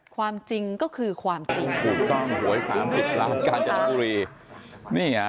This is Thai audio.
ความจริงก็คือความจริงถูกต้องหวยสามสิบล้านการจะน้ำบุรี